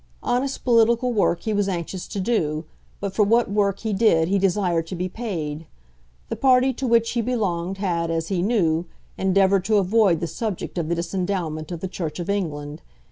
Honest political work he was anxious to do, but for what work he did he desired to be paid. The party to which he belonged had, as he knew, endeavoured to avoid the subject of the disendowment of the Church of England.